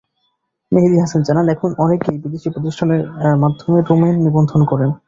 মেহেদী হাসান জানান, এখন অনেকেই বিদেশি প্রতিষ্ঠানের মাধ্যমে ডোমেইন নিবন্ধন করেন।